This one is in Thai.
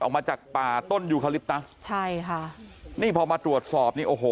ออกมาจากป่าต้นยูคาลิปนะใช่ค่ะนี่พอมาตรวจสอบนี่โอ้โห